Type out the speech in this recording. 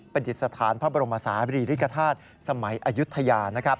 ประจิสฐานพระบรมศาวิริกฐาศสมัยอยุธยา